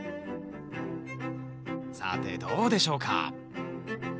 さてどうでしょうか？